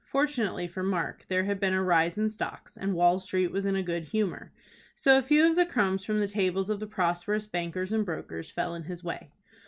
Fortunately for Mark there had been a rise in stocks, and Wall Street was in a good humor. So a few of the crumbs from the tables of the prosperous bankers and brokers fell in his way.